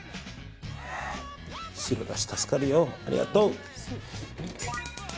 白だし、助かるよありがとう。